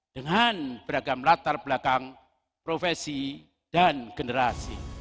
dengan beragam latar belakang profesi dan generasi